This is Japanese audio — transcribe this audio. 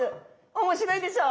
面白いでしょう？